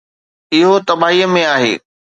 اهو تباهيءَ ۾ آهي.